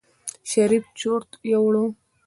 شريف چورت يوړ.